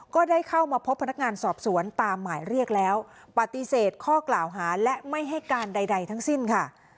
ก็ได้เข้ามาพบพนักงานสอบสวนตามหมายเรียกแล้วปฏิเสธข้อกล่าวหาและไม่ให้การใดทั้งสิ้นค่ะ